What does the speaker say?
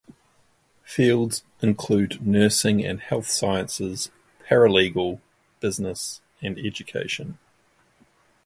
Fields include nursing and health sciences, paralegal, business and education.